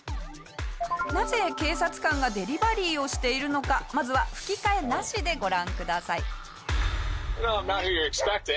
なぜ警察官がデリバリーをしているのかまずは吹き替えなしでご覧ください。